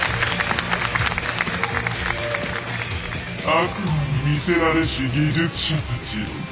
悪魔に魅せられし技術者たちよ。